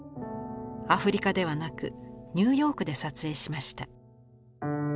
アフリカではなくニューヨークで撮影しました。